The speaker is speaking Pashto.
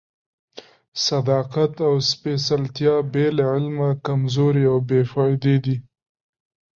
صداقت او سپېڅلتیا بې له علمه کمزوري او بې فائدې دي.